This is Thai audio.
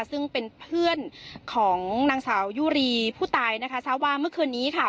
ซึ่งเป็นเพื่อนของนางสาวยุรีผู้ตายนะคะทราบว่าเมื่อคืนนี้ค่ะ